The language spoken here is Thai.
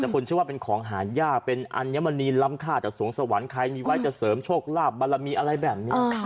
แต่คนเชื่อว่าเป็นของหายากเป็นอัญมณีล้ำค่าจากสวงสวรรค์ใครมีไว้จะเสริมโชคลาภบารมีอะไรแบบนี้